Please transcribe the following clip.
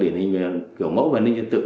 điển hình về kiểu mẫu và an ninh nhân tự